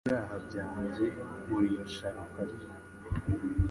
ibyaha byanjye uricara ukarira,